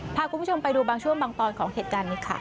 พาคุณผู้ชมไปดูบางช่วงบางตอนของเหตุการณ์นี้ค่ะ